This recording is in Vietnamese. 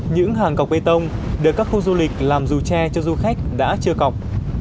những hàng cọc bê tông được các khu du lịch làm dù tre cho du khách đã chưa cọc